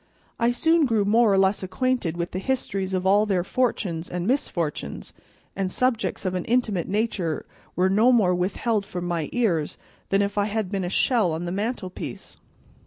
I soon grew more or less acquainted with the histories of all their fortunes and misfortunes, and subjects of an intimate nature were no more withheld from my ears than if I had been a shell on the mantelpiece.